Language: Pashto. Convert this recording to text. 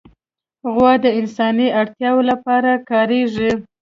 غوا د انساني اړتیاوو لپاره کارېږي.